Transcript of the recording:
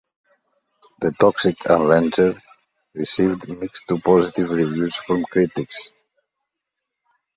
"The Toxic Avenger" received mixed to positive reviews from critics.